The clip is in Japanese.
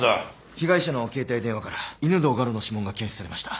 被害者の携帯電話から犬堂我路の指紋が検出されました。